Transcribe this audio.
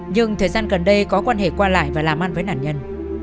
nhưng thời gian gần đây có quan hệ qua lại và làm ăn với nạn nhân